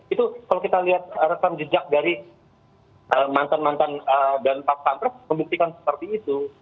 itu kalau kita lihat rekam jejak dari mantan mantan dan pas pampres membuktikan seperti itu